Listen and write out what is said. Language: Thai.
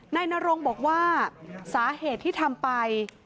นายนรงบอกว่าสาเหตุที่ทำไป